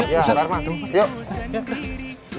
pak herman terima kasih